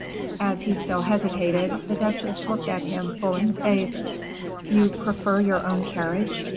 As he still hesitated, the duchesse looked at him full in the face. "You prefer your own carriage?"